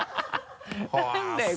何だよ